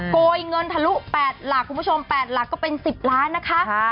โกยเงินทะลุแปดหลักคุณผู้ชมแปดหลักก็เป็นสิบล้านนะคะค่ะ